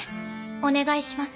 お願いします